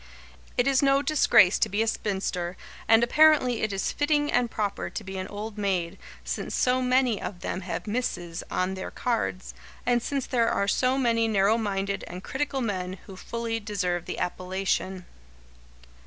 It is no disgrace to be a spinster, and apparently it is fitting and proper to be an old maid, since so many of them have "Mrs." on their cards, and since there are so many narrow minded and critical men who fully deserve the appellation.